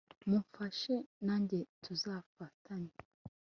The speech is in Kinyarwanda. mumfashe nanjye tuzafatanye